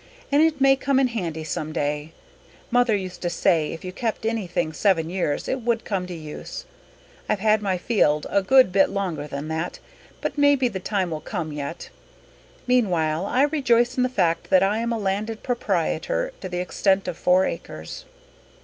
And it may come in handy some time. Mother used to say if you kept anything seven years it would come to use. I've had my field a good bit longer than that, but maybe the time will come yet. Meanwhile I rejoice in the fact that I am a landed proprietor to the extent of four acres."